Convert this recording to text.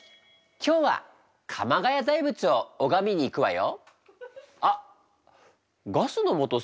それでは鎌ケ谷大仏を拝みに行くわよ。